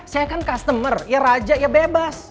saya kan customer ya raja ya bebas